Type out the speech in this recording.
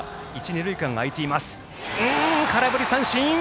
空振り三振！